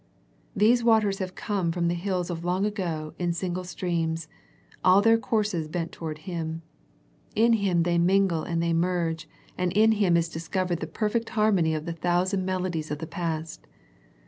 These waters have come from the hills of long ago in single streams, all their courses bent toward Him. In Him they mingle and they merge, and in Him is discovered the perfect harmony of the thousand melodies of the past.